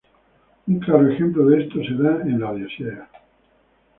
Un claro ejemplo de esto se da en Odisea.